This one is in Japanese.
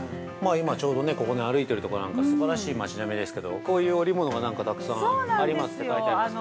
◆今ちょうど、ここね歩いているところなんかすばらしい街並みですけど、こういう織物がたくさんありますって書いてありますけど。